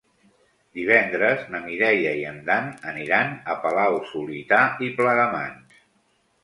Divendres na Mireia i en Dan aniran a Palau-solità i Plegamans.